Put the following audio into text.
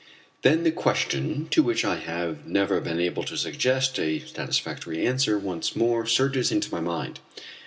Then the question to which I have never been able to suggest a satisfactory answer once more surges into my mind.